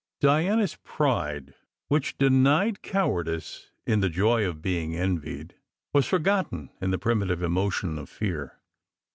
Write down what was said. Diana s pride, which denied cowardice in the joy of being envied, was forgotten in the primitive emotion of fear.